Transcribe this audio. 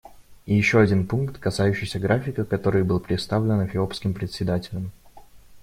И еще один пункт, касающийся графика, который был представлен эфиопским Председателем.